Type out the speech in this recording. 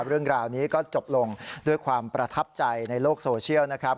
เรื่องราวนี้ก็จบลงด้วยความประทับใจในโลกโซเชียลนะครับ